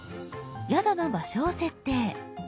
宿の場所を設定。